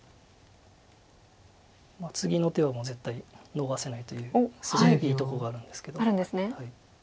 次の手は絶対逃せないというすごいいいとこがあるんですけど。